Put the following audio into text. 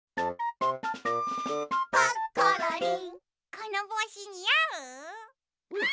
このぼうしにあう？キャ！